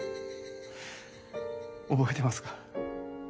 覚えてますか？